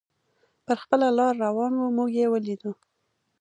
پر خپله لار روان و، موږ یې ولیدو.